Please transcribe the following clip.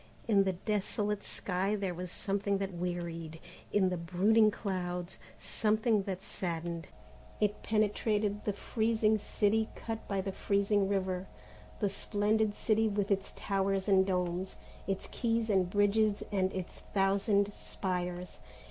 In the desolate sky there was something that wearied, in the brooding clouds, something that saddened. It penetrated the freezing city cut by the freezing river, the splendid city with its towers and domes, its quays and bridges and its thousand spires.